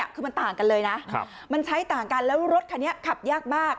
คือมันต่างกันเลยนะมันใช้ต่างกันแล้วรถคันนี้ขับยากมาก